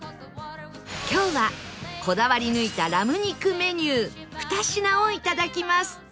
今日はこだわり抜いたラム肉メニュー２品をいただきます